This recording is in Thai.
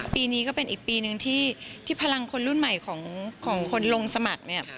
ปีนี้ก็เป็นอีกปีหนึ่งที่พลังคนรุ่นใหม่ของคนลงสมัครเนี่ย